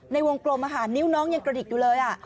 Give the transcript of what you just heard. ในวงกลมนิ้วน้องยังกระดิกอยู่เลย